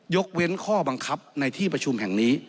ยกเว้นข้อบังคับในที่ประชุมแห่งนี้